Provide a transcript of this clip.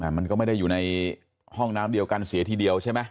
มันก็ไม่ได้อยู่ในห้องน้ำเดียวกันเสียทีเดียวใช่ไหม